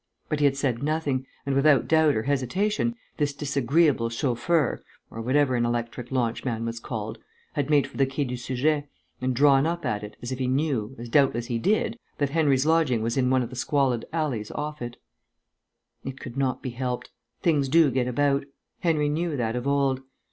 But he had said nothing, and, without doubt or hesitation, this disagreeable chauffeur (or whatever an electric launch man was called) had made for the Quai du Seujet and drawn up at it, as if he knew, as doubtless he did, that Henry's lodging was in one of the squalid alleys off it. It could not be helped. Things do get about; Henry knew that of old.